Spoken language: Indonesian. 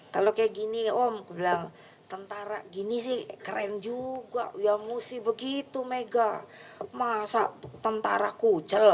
kalau kayak gini om bilang tentara gini sih keren juga ya musi begitu mega masa tentara kucet